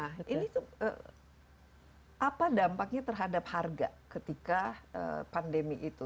nah ini tuh apa dampaknya terhadap harga ketika pandemi itu